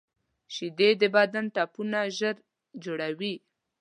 شیدې د بدن ټپونه ژر جوړوي